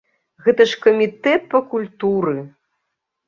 Гэта ж камітэт па культуры!